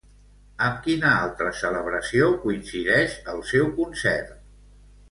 Amb quina altra celebració coincideix el seu concert?